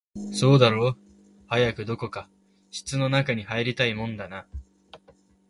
そうだろう、早くどこか室の中に入りたいもんだな